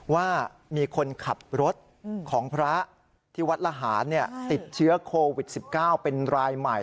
ว่ามีคนขับรถของพระที่วัดละหารติดเชื้อโควิด๑๙เป็นรายใหม่